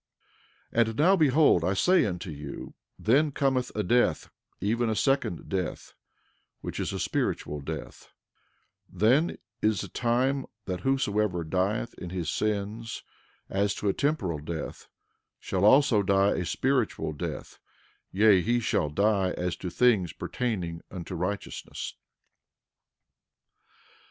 12:16 And now behold, I say unto you then cometh a death, even a second death, which is a spiritual death; then is a time that whosoever dieth in his sins, as to a temporal death, shall also die a spiritual death; yea, he shall die as to things pertaining unto righteousness.